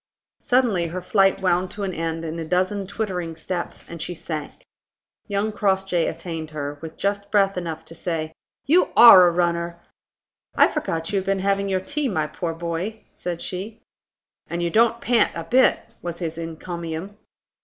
Suddenly her flight wound to an end in a dozen twittering steps, and she sank. Young Crossjay attained her, with just breath enough to say: "You are a runner!" "I forgot you had been having your tea, my poor boy," said she. "And you don't pant a bit!" was his encomium.